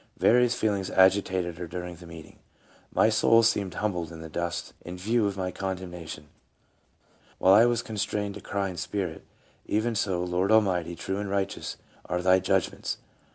Various feelings agitated her during the meet ing :'' My soul seemed humbled in the dust in view of my condemnation ; while I was constrained to cry in spirit, 'Even so, Lord Almighty, true and righteous are Thy judg ments